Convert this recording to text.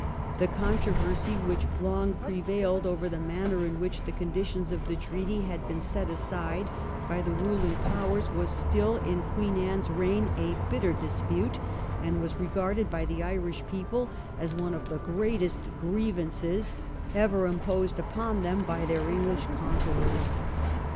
The controversy which long prevailed over the manner in which the conditions of the treaty had been set aside by the ruling powers was still in Queen Anne's reign a bitter dispute, and was regarded by the Irish people as one of the greatest grievances ever imposed upon them by their English conquerors.